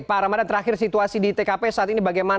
pak ramadhan terakhir situasi di tkp saat ini bagaimana